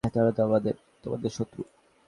তারা তো তোমাদের শত্রু।